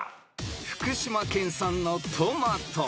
［福島県産のトマト］